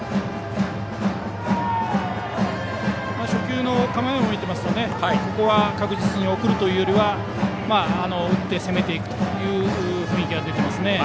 初球の構えを見ていると確実に送るというより打って攻めていくという雰囲気が出ていますね。